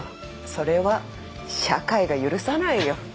それは社会が許さないよ。